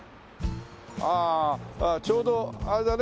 ああちょうどあれだね。